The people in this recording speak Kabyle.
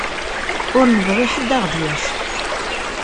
Ur nebɣi ḥedd ad ɣ-d-yaf.